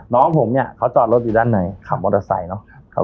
น้องผมเนี่ยเขาจอดรถอยู่ด้านในขับมอเตอร์ไซค์เนอะ